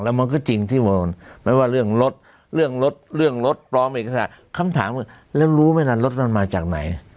แล้วมันก็จริงที่ไม่ว่าเรื่องรถปลอมเอกสารคำถามว่าแล้วรู้ไหมละรถมันมาจากไหน